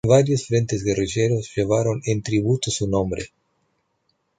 Varios frentes guerrilleros llevaron en tributo su nombre.